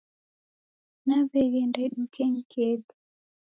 Naw'eghenda idukenyi kedu.